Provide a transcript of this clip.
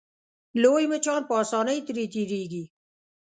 لوی مچان په اسانۍ ترې تېرېږي.